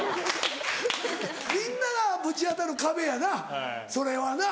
みんながぶち当たる壁やなそれはな。